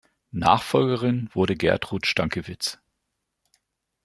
Nachfolgerin wurde Gertrud Stankiewicz.